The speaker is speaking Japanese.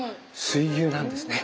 水牛なんですね。